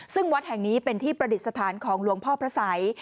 ซึ่งวัดแห่งนี้เป็นที่ประดิษฐานของหลวงพ่อพระสัย